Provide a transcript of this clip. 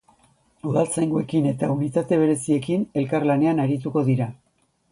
Udaltzaingoekin eta unitate bereziekin elkarlanean arituko dira.